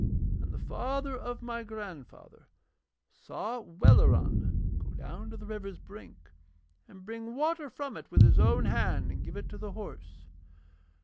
And the father of my grandfather saw Welleran go down to the river's brink and bring water from it with his own hand and give it to the horse.